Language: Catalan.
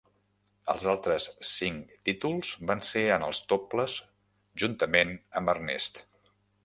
Els altres cinc títols van ser en els dobles juntament amb Ernest.